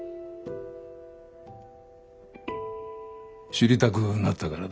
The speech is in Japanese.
知りたくなったからだ。